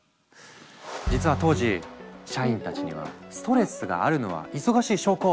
実は当時社員たちには「ストレスがあるのは忙しい証拠！